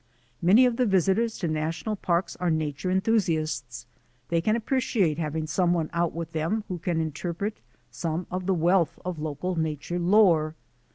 Many of the visitors to national parks are na ture enthusiasts, they appreciate having someone out with them who can interpret some of the wealth of local nature lore.